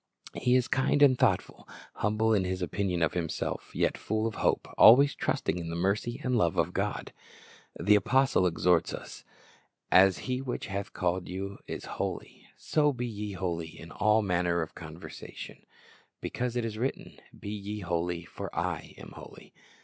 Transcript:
He is kind and thoughtful, humble in his opinion of himself, yet full of hope, always trusting in the mercy and love of God. The apostle exhorts us, "As He which hath called you is holy, so be ye holy in all manner of conversation; because it is written, Be ye holy; for I am holy."